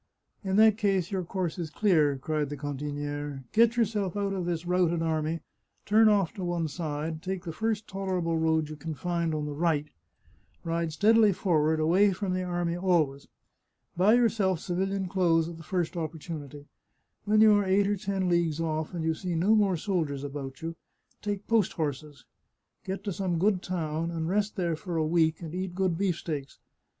" In that case your course is clear," cried the cantiniere. " Get yourself out of this routed army, turn off to one side, take the first tolerable road you can find on the right, ride steadily forward, away from the army always. Buy yourself civilian clothes at the first opportunity. When you are eight or ten leagues oflf, and you see no more soldiers about you, take post horses, get to some good town, and rest there for a week, and eat good beefsteaks.